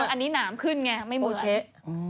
อันนี้หนามขึ้นไงไม่เหมือน